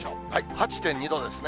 ８．２度ですね。